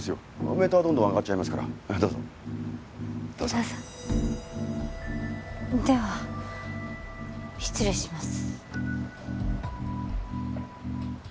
メーターどんどん上がっちゃいますからどうぞどうぞでは失礼します